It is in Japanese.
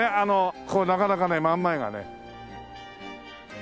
こうなかなかね真ん前がね。